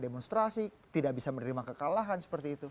demonstrasi tidak bisa menerima kekalahan seperti itu